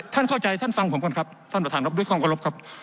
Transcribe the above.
ท่านเข้าใจท่านฟังผมก่อนครับท่านประธานครับด้วยความเคารพครับ